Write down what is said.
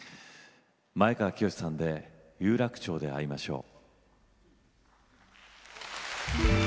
前川清さんで「有楽町で逢いましょう」。